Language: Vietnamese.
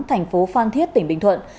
thành phố phan thiết tỉnh bình thuận